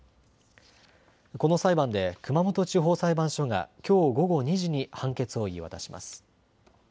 この裁判で熊本地方裁判所がきょう午後２時に判決を言い渡します。